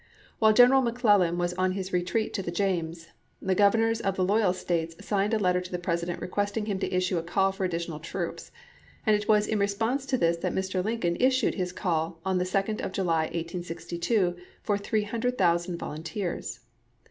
While General McClellan was on his retreat to the James, the Governors of the loyal States signed 1862. a letter to the President requesting him to issue a call for additional troops, and it was in response to this that Mr. Lincoln issued his call, on the 2d of July, 1862, for 300,000 volunteers.